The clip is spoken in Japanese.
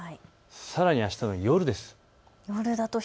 さらに、あしたの夜です。